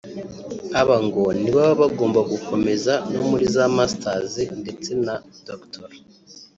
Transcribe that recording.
Aba ngo ni bo baba bagomba no gukomeza muri za masters ndetse na doctorat